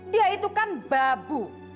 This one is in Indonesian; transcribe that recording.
dia itu kan babu